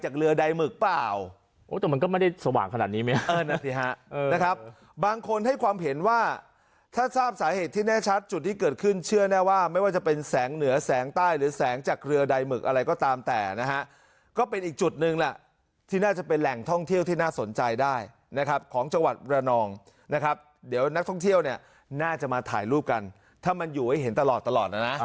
ครับถ้าทราบสาเหตุที่แน่ชัดจุดที่เกิดขึ้นเชื่อแน่ว่าไม่ว่าจะเป็นแสงเหนือแสงใต้หรือแสงจากเรือใดหมึกอะไรก็ตามแต่นะฮะก็เป็นอีกจุดนึงล่ะที่น่าจะเป็นแหล่งท่องเที่ยวที่น่าสนใจได้นะครับของจังหวัดระนองนะครับเดี๋ยวนักท่องเที่ยวเนี่ยน่าจะมาถ่ายรูปกันถ้ามันอยู่ไว้เห็นตลอดตลอ